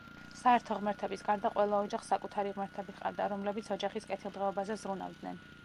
საერთო ღმერთების გარდა ყველა ოჯახს საკუთარი ღმერთები ჰყავდა, რომლებიც ოჯახის კეთილდღეობაზე ზრუნავდნენ.